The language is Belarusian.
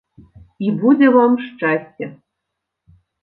І будзе вам шчасце!